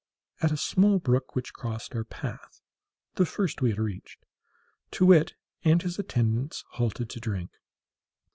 At a small brook which crossed our path (the first we had reached) Too wit and his attendants halted to drink.